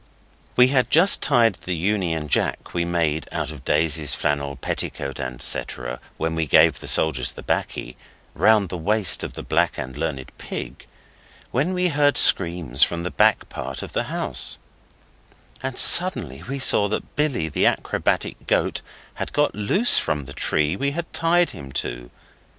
We had just tied the Union Jack we made out of Daisy's flannel petticoat and cetera, when we gave the soldiers the baccy, round the waist of the Black and Learned Pig, when we heard screams from the back part of the house, and suddenly we saw that Billy, the acrobatic goat, had got loose from the tree we had tied him to.